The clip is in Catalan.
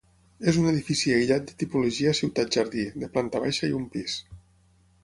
És un edifici aïllat de tipologia ciutat-jardí, de planta baixa i un pis.